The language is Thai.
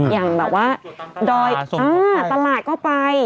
อย่างแบบว่าดอยตลาดก็ไป